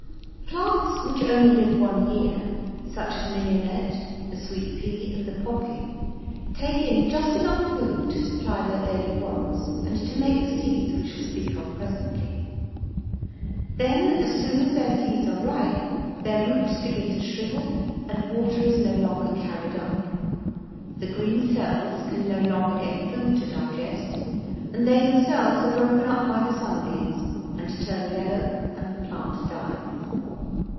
Plants which only live one year, such as mignonette, the sweet pea, and the poppy, take in just enough food to supply their daily wants and to make the seeds we shall speak of presently. Then, as soon as their seeds are ripe their roots begin to shrivel, and water is no longer carried up. The green cells can no longer get food to digest, and they themselves are broken up by the sunbeams and turn yellow, and the plant dies.